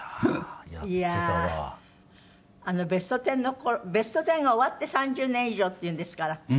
黒柳：『ベストテン』の頃『ベストテン』が終わって３０年以上っていうんですから。